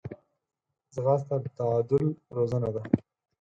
ځغاسته د تعادل روزنه ده